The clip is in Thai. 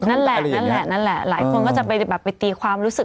นั่นแหละหลายคนก็จะไปตีความรู้สึก